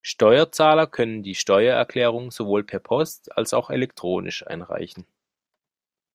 Steuerzahler können die Steuererklärung sowohl per Post als auch elektronisch einreichen.